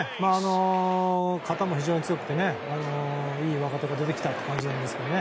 肩も非常に強くていい若手が出てきた感じですね。